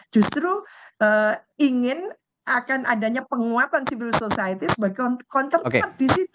justru ingin akan adanya penguatan civil society sebagai counter di situ